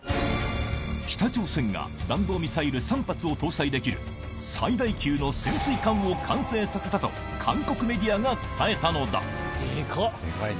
北朝鮮が弾道ミサイル３発を搭載できる最大級の潜水艦を完成させたと、韓国メディアが伝えたのだ。